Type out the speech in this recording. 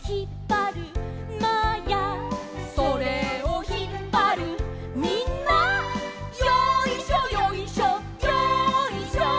「それをひっぱるみんな」「よいしょよいしょよいしょ」